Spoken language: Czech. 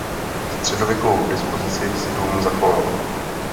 Středověkou dispozici si dům zachoval.